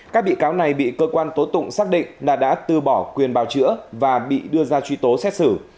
các bị cáo này bị cơ quan tố tụng xác định là đã tư bỏ quyền bào chữa và bị đưa ra truy tố xét xử